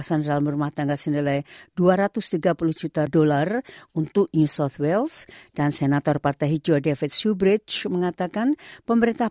saatnya kita harus menghilangkan pembukaan hamas dari negara kita